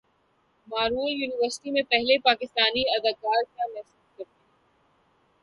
marvel universe میں پہلے پاکستانی اداکار کیا محسوس کرتے ہیں